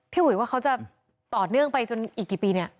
อุ๋ยว่าเขาจะต่อเนื่องไปจนอีกกี่ปีเนี่ย